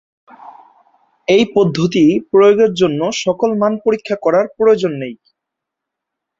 এই পদ্ধতি প্রয়োগের জন্য সকল মান পরীক্ষা করার প্রয়োজন নেই।